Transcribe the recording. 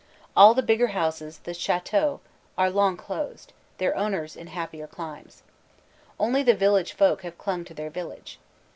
All the bigger houses the Chateaux are long closed, their owners in happier climes. Only the village folk have clung to their village.